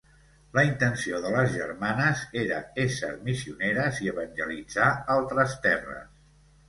La intenció de les germanes era ésser missioneres i evangelitzar altres terres.